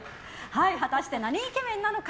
果たして何イケメンなのか。